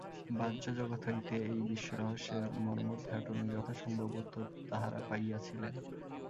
বাহ্য-জগৎ হইতে এই বিশ্বরহস্যের মর্মোদ্ঘাটনে যথাসম্ভব উত্তর তাঁহারা পাইয়াছিলেন।